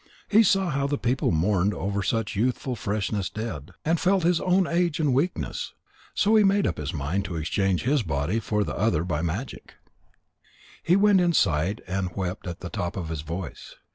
He saw how the people mourned over such youthful freshness dead, and felt his own age and weakness. So he made up his mind to exchange his body for the other by magic. He went aside and wept at the top of his voice.